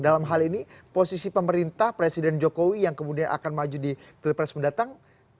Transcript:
dalam hal ini posisi pemerintah presiden jokowi yang kemudian akan maju di pilpres mendatang